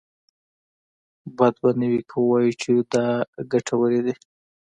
بده به نه وي که ووايو چې دا ګټورې دي.